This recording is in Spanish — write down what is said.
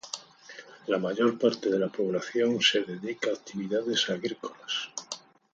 La mayor parte de la población se dedica a actividades agrícolas.